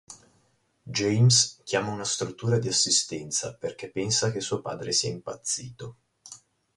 James chiama una struttura di assistenza perché pensa che suo padre sia impazzito.